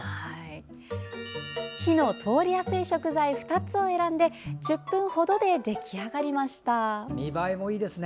火の通りやすい食材２つを選んで１０分ほどで出来上がりました。